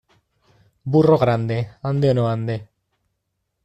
Burro grande, ande o no ande.